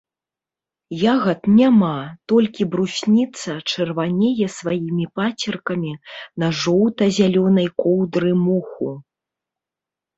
Ягад няма, толькі брусніца чырванее сваімі пацеркамі на жоўта-зялёнай коўдры моху.